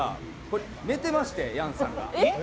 これ寝てましてヤンさんが。えっ！